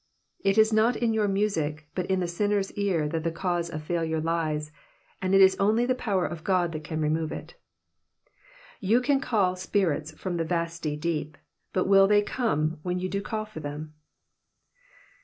It is not in your music, but in the sinner's ear that the cause of failure lies, and it is only the power of God that can remove it. " You can call spirits from the vaflty deep. But will they come when you do call for them